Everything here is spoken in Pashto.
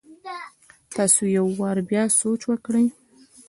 تاسي يو وار بيا سوچ وکړئ!